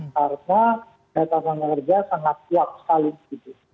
karena data pekerja sangat kuat sekali gitu